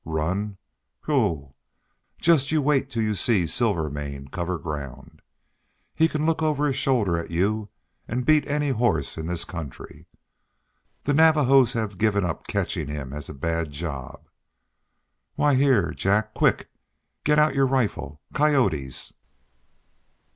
"Run? Whew! Just you wait till you see Silvermane cover ground! He can look over his shoulder at you and beat any horse in this country. The Navajos have given up catching him as a bad job. Why here! Jack! quick, get out your rifle coyotes!"